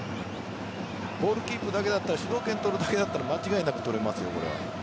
ボールキープだけだったら主導権とるだけだったら間違いなく取れますよ。